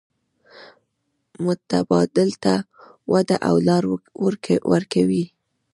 متبادل ته وده او لار ورکوي.